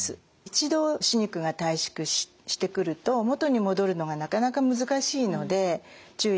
一度歯肉が退縮してくると元に戻るのがなかなか難しいので注意が必要です。